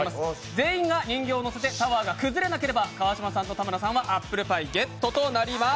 全員が人形をのせてタワーが崩れなければ川島さんと田村さんはアップルパイゲットとなります。